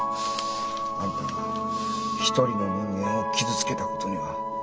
あんたが一人の人間を傷つけたことには変わりはない！